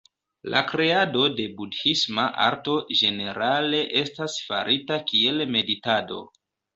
La kreado de budhisma arto ĝenerale estas farita kiel meditado.